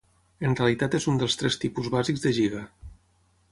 En realitat és un dels tres tipus bàsics de giga.